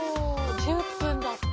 １０分だって！